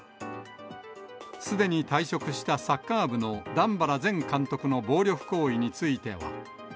すでに退職したサッカー部の段原前監督の暴力行為については。